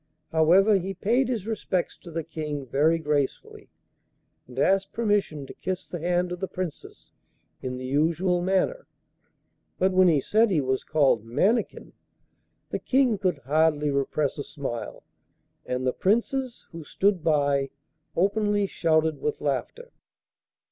However, he paid his respects to the King very gracefully, and asked permission to kiss the hand of the Princess in the usual manner; but when he said he was called 'Mannikin,' the King could hardly repress a smile, and the Princes who stood by openly shouted with laughter.